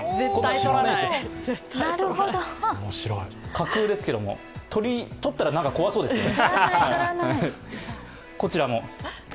架空ですけども、盗ったらなんか怖そうですよね。